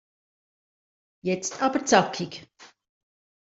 Jetzt aber zackig!